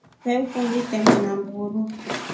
Vee kundi itema namburu.